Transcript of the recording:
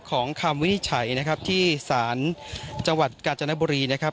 คำวินิจฉัยนะครับที่ศาลจังหวัดกาญจนบุรีนะครับ